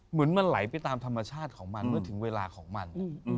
เหมือนมันไหลไปตามธรรมชาติของมันเมื่อถึงเวลาของมัน